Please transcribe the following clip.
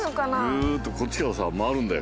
グーッとこっちからさ回るんだよ